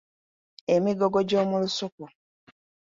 Emigogo gy’omu lusuku.